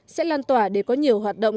sẽ lan tỏa để có nhiều hoạt động